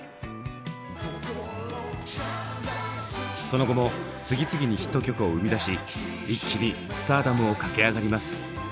その後も次々にヒット曲を生み出し一気にスターダムを駆け上がります。